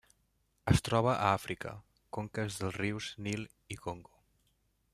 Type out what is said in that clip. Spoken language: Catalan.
Es troba a Àfrica: conques dels rius Nil i Congo.